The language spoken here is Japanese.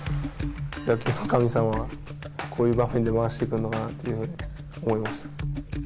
野球の神様はこういう場面で回してくるのかなっていうふうに思いました。